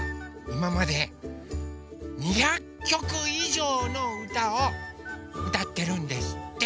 今まで２００曲以上の歌を歌っているんですって。